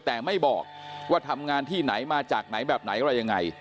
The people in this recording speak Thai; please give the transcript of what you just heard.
แต่ไม่บอกว่าทำงานที่ไหนมาจากไหนแบบไหนอะไรยังไง